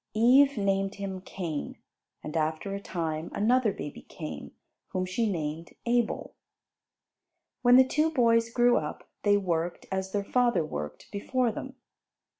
Eve named him Cain; and after a time another baby came, whom she named Abel. When the two boys grew up, they worked, as their father worked before them.